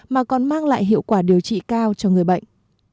mà còn mang lại hiệu quả điều trị cao cho người bệnh